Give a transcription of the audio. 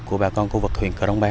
của bà con khu vực huyện cơ nông ba